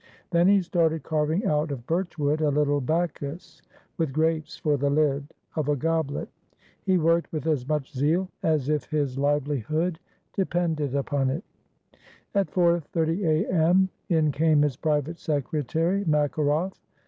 Then he started carving out of birch wood a little Bacchus with grapes for the lid of a goblet. He worked with as much zeal as if his livelihood depended upon it. At 4.30 A.M. in came his private secretary, Makaroff.